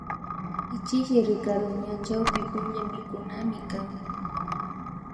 Alli chishi Ricardo ña chawpunchamikunamikan